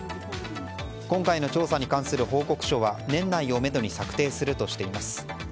今回の調査に関する報告書は年内をめどに策定するとしています。